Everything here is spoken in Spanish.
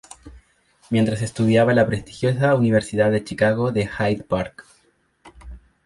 Mientras estudiaba en la prestigiosa Universidad de Chicago en Hyde Park.